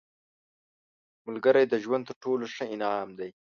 ملګری د ژوند تر ټولو ښه انعام دی